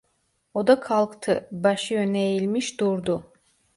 O da kalktı, başı öne eğilmiş durdu.